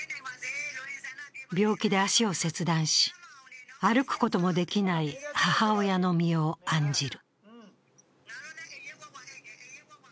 病気で足を切断し、歩くこともできない母親の身を案じる。